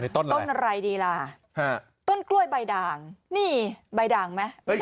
ต้นอะไรดีล่ะต้นกล้วยใบด่างนี่ใบด่างไหม